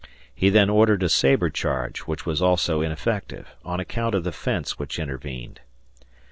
He then ordered a sabre charge, which was also ineffective, on account of the fence which intervened.